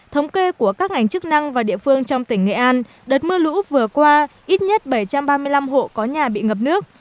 thống kê của các ngành chức năng và địa phương trong tỉnh nghệ an đợt mưa lũ vừa qua ít nhất bảy trăm ba mươi năm hộ có nhà bị ngập nước